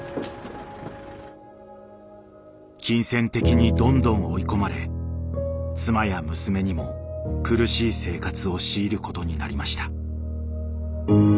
金銭的にどんどん追い込まれ妻や娘にも苦しい生活を強いることになりました。